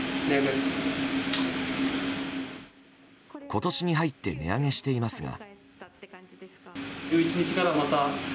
今年に入って値上げしていますが。